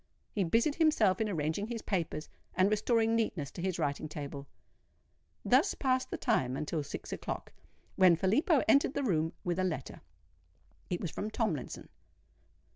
He busied himself in arranging his papers, and restoring neatness to his writing table. Thus passed the time until six o'clock, when Filippo entered the room with a letter. It was from Tomlinson.